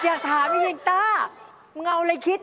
อยากถามจริงต้ามึงเอาอะไรคิด